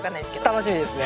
楽しみですね。